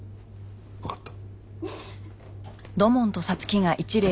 わかった。